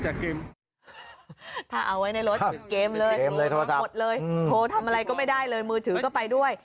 โทรโทรศัพท์หมดเลยโทรทำอะไรก็ไม่ได้เลยมือถือก็ไปด้วย